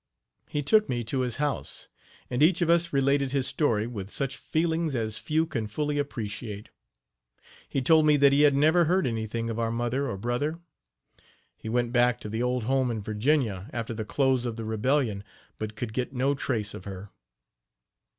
He took me to his house; and each of us related his story with such feelings as few can fully appreciate. He told me that he had never heard anything of our mother or brother. He went back to the old home in Virginia, after the close of the rebellion, but could get no trace of her.